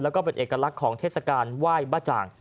แล้วก็เป็นเอกลักษณ์ของเทศกาลไหว้บ้าจ่าง